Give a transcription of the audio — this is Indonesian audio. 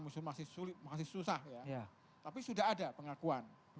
masih susah ya tapi sudah ada pengakuan